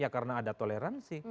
karena ada toleransi